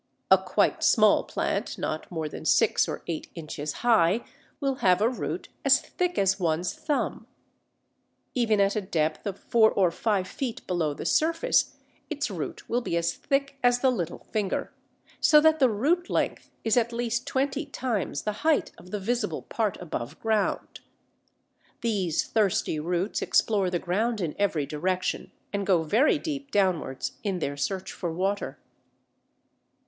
A quite small plant not more than six or eight inches high will have a root as thick as one's thumb. Even at a depth of four or five feet below the surface its root will be as thick as the little finger, so that the root length is at least twenty times the height of the visible part above ground. These thirsty roots explore the ground in every direction, and go very deep downwards in their search for water.